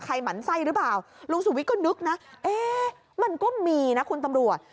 หมั่นไส้หรือเปล่าลุงสุวิทย์ก็นึกนะเอ๊ะมันก็มีนะคุณตำรวจ